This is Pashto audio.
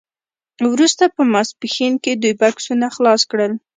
وروسته په ماسپښین کې دوی بکسونه خلاص کړل